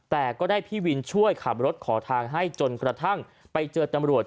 แต่ก็ได้พี่วินช่วยขับรถขอทางให้จนกระทั่งไปเจอตำรวจ